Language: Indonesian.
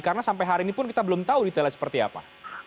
karena sampai hari ini pun kita belum tahu detailnya seperti apa